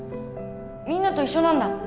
みんなと一緒なんだ。